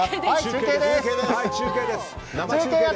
中継です。